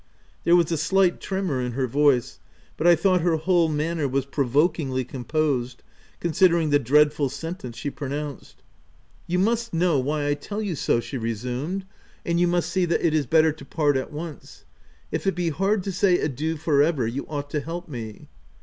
There was a slight tremour in her voice, but I thought her whole manner was provokingly composed, considering the dreadful sentence she pronounced. " You must know why I tell OF WILDFELL HALL. 141 you so/' she resumed; " and you must see that it is better to part at once :— if it be hard to say adieu for ever, you ought to help me."